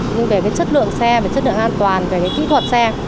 nhưng về cái chất lượng xe về chất lượng an toàn về cái kỹ thuật xe